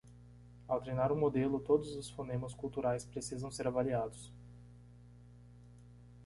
ao treinar um modelo todos os fonemas culturais precisam ser avaliados